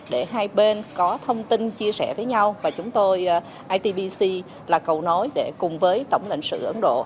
để hai bên có thông tin chia sẻ với nhau và chúng tôi itbc là cầu nối để cùng với tổng lệnh sự ấn độ